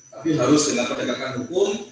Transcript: tapi harus dengan penegakan hukum